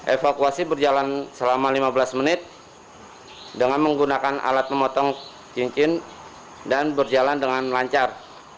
evakuasi berjalan selama lima belas menit dengan menggunakan alat memotong cincin dan berjalan dengan lancar